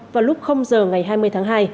vào lúc giờ ngày hai mươi tháng hai